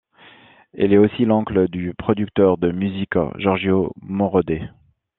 Il est aussi l'oncle du producteur de musique Giorgio Moroder.